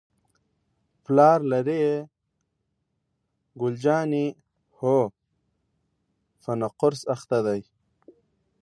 پلار لرې؟ ګل جانې: هو، په نقرس اخته دی.